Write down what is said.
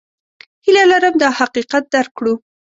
هیله لرم دا حقیقت درک کړو.